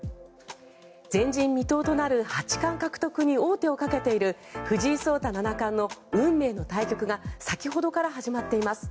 前人未到となる八冠獲得に王手をかけている藤井聡太七冠の運命の対局が先ほどから始まっています。